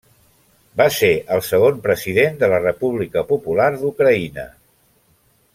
Va ser el segon President de la República Popular d'Ucraïna.